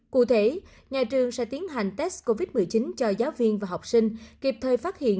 cụ thể nhà trường sẽ tiến hành test covid một mươi chín cho giáo viên và học sinh kịp thời phát hiện